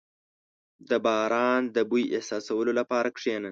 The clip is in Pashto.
• د باران د بوی احساسولو لپاره کښېنه.